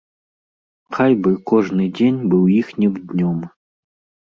Хай бы кожны дзень быў іхнім днём.